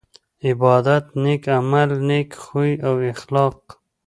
عبادت نيک عمل نيک خوي او اخلاق